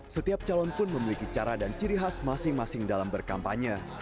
setiap calon pun memiliki cara dan ciri khas masing masing dalam berkampanye